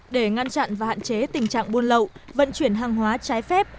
để ngăn chặn và hạn chế tình trạng buôn lậu vận chuyển hàng hóa trái phép